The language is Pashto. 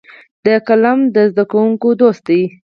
قلم د زده کوونکو دوست دی